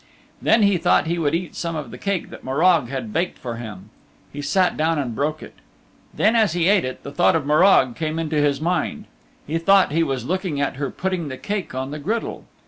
Then he thought he would eat some of the cake that Morag had baked for him. He sat down and broke it. Then as he ate it the thought of Morag came into his mind. He thought he was looking at her putting the cake on the griddle.